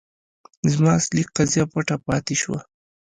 زما اصلي قضیه پټه پاتې شوه.